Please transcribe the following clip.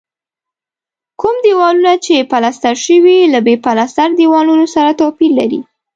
کوم دېوالونه چې پلستر شوي له بې پلستره دیوالونو سره توپیر لري.